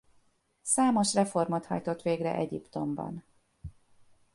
Számos reformot hajtott végre Egyiptomban.